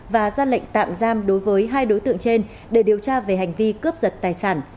và ra lệnh tạm giam đối với hai đối tượng trên để điều tra về hành vi cướp giật tài sản